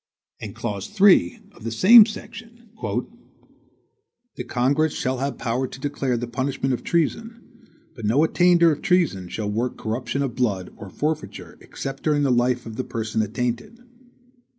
And clause 3, of the same section "The Congress shall have power to declare the punishment of treason; but no attainder of treason shall work corruption of blood, or forfeiture, except during the life of the person attainted."